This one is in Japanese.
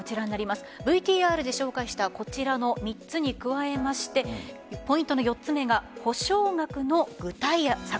ＶＴＲで紹介したこちらの３つに加えましてポイントの４つ目が補償額の具体策。